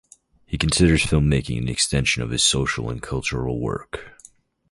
He considers film making as the extension of his social and cultural work.